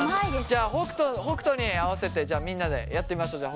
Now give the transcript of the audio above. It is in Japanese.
じゃあ北斗に合わせてじゃあみんなでやってみましょう。